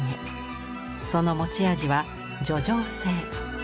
その持ち味は叙情性。